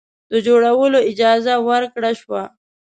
د جوړولو اجازه ورکړه شوه.